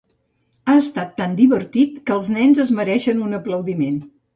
Ha estat tan divertit que els nens es mereixen un aplaudiment.